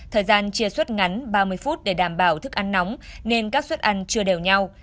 thời gian chia suất ngắn ba mươi phút để đảm bảo thức ăn nóng nên các suất ăn chưa đều nhau